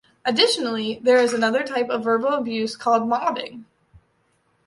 Additionally, there is another type of verbal abuse called mobbing.